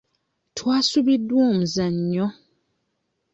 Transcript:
Twasubiddwa omuzannyo.